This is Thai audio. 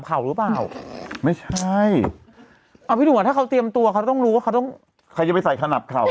แต่ผู้หญิงถ้าเกิดเขาเตรียมตัวแน่ใจว่า